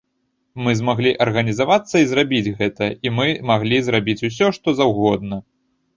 Мы змаглі арганізавацца і зрабіць гэта, і мы маглі зрабіць усё што заўгодна.